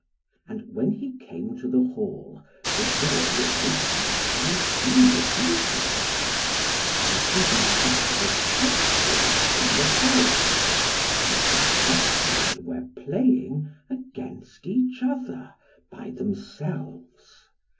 And when he came to the hall, the door was open, and he entered. And he beheld a chessboard in the hall, and the chessmen were playing against each other, by themselves.